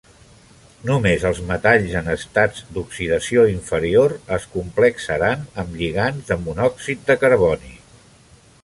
Només els metalls en estats d'oxidació inferior es complexaran amb lligands de monòxid de carboni.